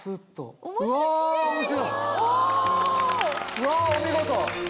うわお見事！